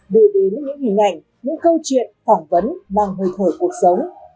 gửi đến những hình ảnh những câu chuyện phỏng vấn mang hơi thở cuộc sống